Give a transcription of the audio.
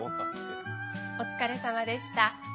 お疲れさまでした。